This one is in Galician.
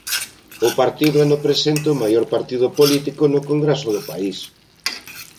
O partido é no presente o maior partido político no Congreso do país.